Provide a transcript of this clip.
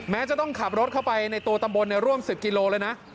แม้จะต้องขับรถเข้าไปในตัวตะบนร่วม๑๐กิโลกรัมเลยนะ